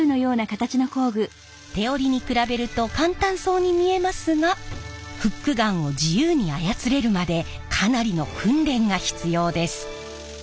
手織りに比べると簡単そうに見えますがフックガンを自由に操れるまでかなりの訓練が必要です。